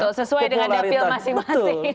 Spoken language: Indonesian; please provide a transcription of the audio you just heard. betul sesuai dengan dapil masing masing